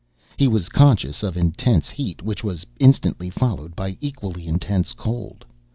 He was conscious of intense heat which was instantly followed by equally intense cold.